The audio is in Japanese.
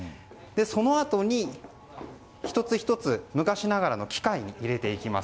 そのあとに、１つ１つ昔ながらの機械に入れていきます。